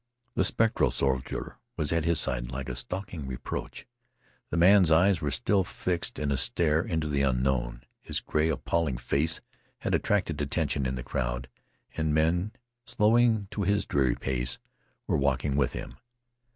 The spectral soldier was at his side like a stalking reproach. The man's eyes were still fixed in a stare into the unknown. His gray, appalling face had attracted attention in the crowd, and men, slowing to his dreary pace, were walking with him.